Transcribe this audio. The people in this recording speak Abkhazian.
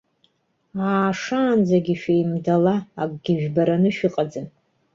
Аашаанӡагьы шәеимдала, акгьы жәбараны шәыҟаӡам!